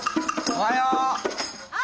おはよう。